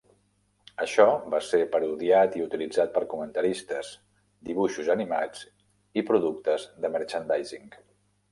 Això va ser parodiat i utilitzat per comentaristes, dibuixos animats i productes de merchandising.